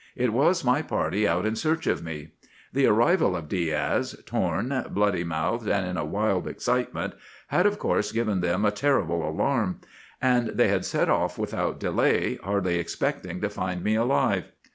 It was my party out in search of me. The arrival of Diaz, torn, bloody mouthed, and in a wild excitement, had, of course, given them a terrible alarm; and they had set off without delay, hardly expecting to find me alive.